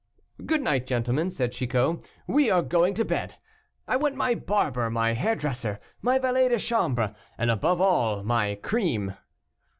"Good night, gentlemen," said Chicot, "we are going to bed. I want my barber, my hairdresser, my valet de chambre, and, above all, my cream."